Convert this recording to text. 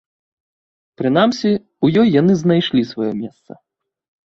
Прынамсі, у ёй яны знайшлі сваё месца.